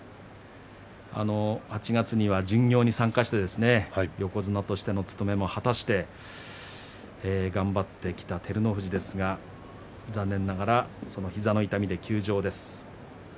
８月には巡業に参加して横綱としての務めを果たして頑張ってきた照ノ富士ですが残念ながらその膝の痛みで休場です。